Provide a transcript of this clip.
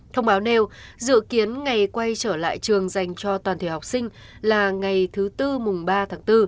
thông báo nêu dự kiến ngày quay trở lại trường dành cho toàn thể học sinh là ngày thứ tư mùng ba tháng bốn